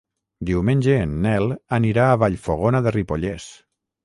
Diumenge en Nel anirà a Vallfogona de Ripollès.